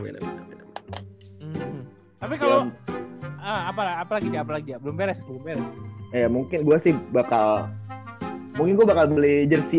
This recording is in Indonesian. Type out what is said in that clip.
edwin lagi makan lu dulu